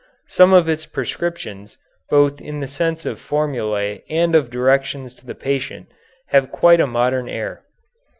Some of its prescriptions, both in the sense of formulæ and of directions to the patient, have quite a modern air.